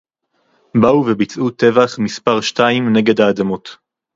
באו וביצעו טבח מספר שתיים נגד האדמות